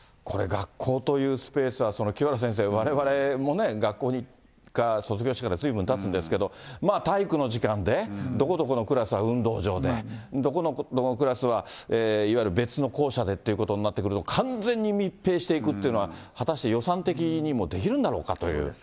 学校というスペースは、清原先生、われわれもね、学校卒業してからずいぶんたつんですけど、体育の時間でどこどこのクラスは運動場で、どこどこのクラスはいわゆる別の校舎でっていうことになると完全に密閉していくっていうのは、果たして予算的にもできるんだろうかという。